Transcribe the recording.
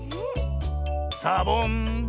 サボン。